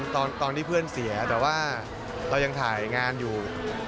ตอนที่เพื่อนเสียแต่ว่าเรายังถ่ายงานอยู่